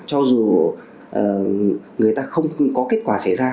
cho dù người ta không có kết quả xảy ra